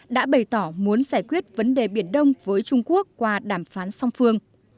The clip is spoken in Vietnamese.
đã bày tỏ muốn giải quyết vấn đề biển đông với trung quốc qua đàm phán song phương